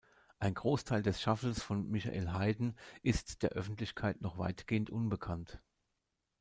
Ein Großteil des Schaffens von Michael Haydn ist der Öffentlichkeit noch weitgehend unbekannt.